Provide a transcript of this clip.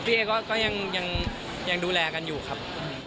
เอ๊ก็ยังดูแลกันอยู่ครับ